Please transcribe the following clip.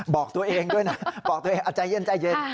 บอกตัวเองด้วยนะบอกตัวเองใจเย็นใจเย็น